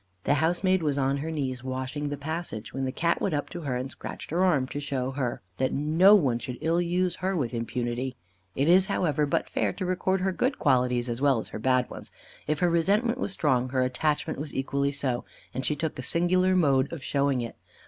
The housemaid was on her knees, washing the passage, when the Cat went up to her and scratched her arm, to show her that no one should illuse her with impunity. It is, however, but fair to record her good qualities as well as her bad ones. If her resentment was strong, her attachment was equally so, and she took a singular mode of showing it.